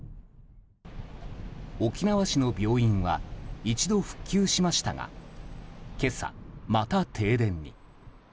沖縄市の病院は一度復旧しましたが今朝、また停電に。